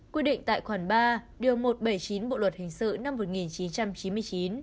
quy định tại khoản ba điều một trăm bảy mươi chín bộ luật hình sự năm một nghìn chín trăm chín mươi chín